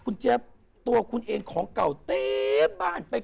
คุณเจฟตัวคุณเอนของเก่าเต้้บบ้าน